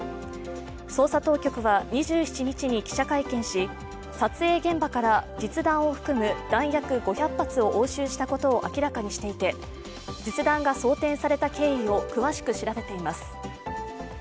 捜査当局は２７日に記者会見し撮影現場から実弾を含む弾薬５００発を押収したことを明らかにしていて実弾が装填された経緯を詳しく調べています。